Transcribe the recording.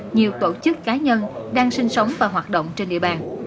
nhiều tổ chức cá nhân đang sinh sống và hoạt động trên địa bàn